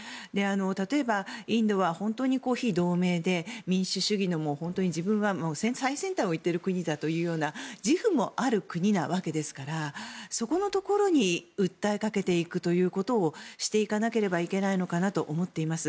例えば、インドは本当に非同盟で民主主義の自分たちは最先端を行っているんだというような自負もある国なわけですからそこのところに訴えかけていくということをしていかなければいけないのかなと思っております。